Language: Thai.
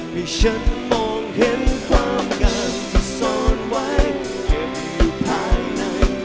ให้ฉันมองเห็นความกันที่ซ่อนไว้เก็บอยู่ภายใน